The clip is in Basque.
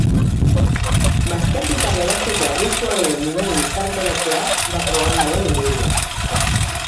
Baztertuta geratzeko arriskuan dauden umean gizarteratzea da programa hauen helburua.